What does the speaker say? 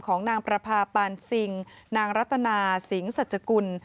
ของนางประพาปานซิงนางรัตนาสิงสัจกุล